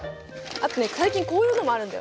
あとね最近こういうのもあるんだよ。